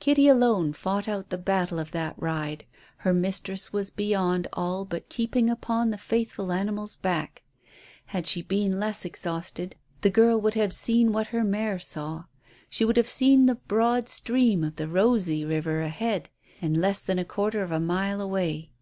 Kitty alone fought out the battle of that ride; her mistress was beyond all but keeping upon the faithful animal's back. Had she been less exhausted, the girl would have seen what the mare saw. She would have seen the broad stream of the Rosy river ahead, and less than a quarter of a mile away.